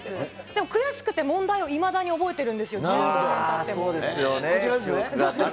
でも悔しくて問題をいまだに覚えてるんですよ、１５年たっても。